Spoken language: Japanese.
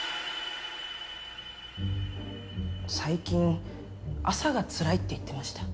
最近朝がつらいって言ってました。